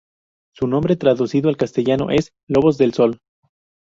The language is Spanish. Su nombre traducido al castellano es "Lobos del Sol".